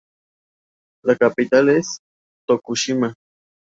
La capital es Tokushima.